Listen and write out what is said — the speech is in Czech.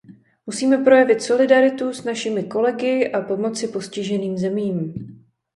Musíme projevit solidaritu s našimi kolegy a pomoci postiženým zemím.